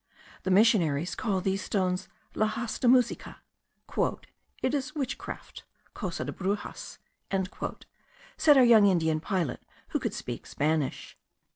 The missionaries call these stones laxas de musica. "It is witchcraft (cosa de bruxas)," said our young Indian pilot, who could speak Spanish.